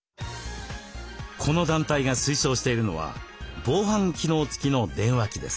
この団体が推奨しているのは防犯機能付きの電話機です。